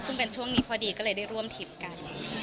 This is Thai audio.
ซึ่งเป็นช่วงนี้พอดีก็เลยได้ร่วมทริปกัน